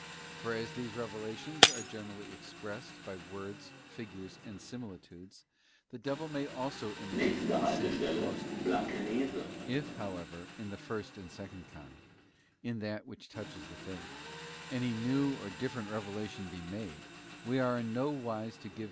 For as these revelations are generally expressed by words, figures, and similitudes, the devil may also imitate the same most easily. If, however, in the first and second kind, in that which touches the Faith, any new or different revelation be made, we are in no wise to give heed to it; no, not CHAP.